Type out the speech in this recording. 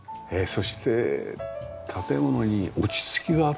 そして建物に落ち着きがあるというか。